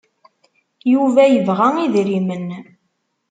Yuba yebɣa idrimen.